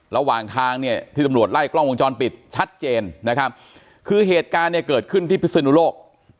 ระหว่างทางเนี่ยที่ตำรวจไล่กล้องวงจรปิดชัดเจนนะครับคือเหตุการณ์เนี่ยเกิดขึ้นที่พิศนุโลก